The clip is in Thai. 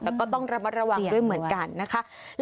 แต่ก็ต้องระมัดระวังด้วยเหมือนกันนะคะ